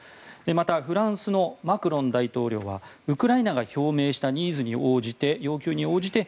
またフランスのマクロン大統領はウクライナが表明したニーズに応じて、要求に応じて